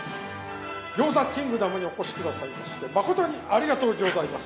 餃子キングダムにお越し下さいましてまことにありがとうギョーザいます！